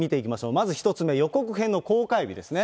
まず１つ目、予告編の公開日ですね。